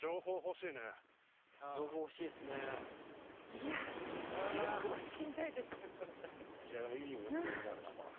いやでもいい運動になるなこれ。